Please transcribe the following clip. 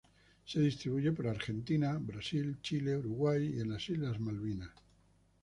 Se distribuye por Argentina, Brasil, Chile, Uruguay y en las Islas Malvinas.